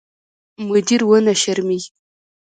مدیر ونه شرمېږي.